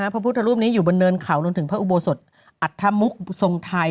พระพุทธรูปนี้อยู่บนเนินเขารวมถึงพระอุโบสถอัธมุกทรงไทย